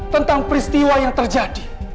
tentang peristiwa yang terjadi